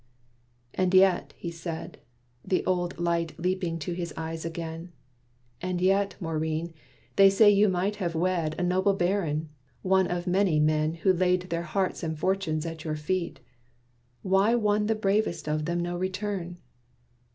"And yet," he said, The old light leaping to his eyes again, "And yet, Maurine, they say you might have wed A noble Baron! one of many men Who laid their hearts and fortunes at your feet. Why won the bravest of them no return?"